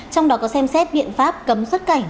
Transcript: trong đó có xem xét biện pháp cấm xuất cảnh